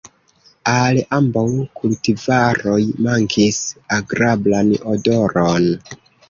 Al ambaŭ kultivaroj mankis agrablan odoron.